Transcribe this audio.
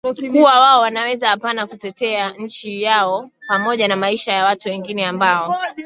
kuwa wao wanaweza apana kutetea nchi yao pamoja na maisha ya watu wengine ambao